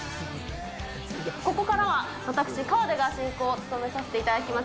ここからは私、河出が進行を務めさせていただきます。